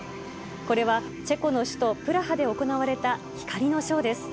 これは、チェコの首都プラハで行われた光のショーです。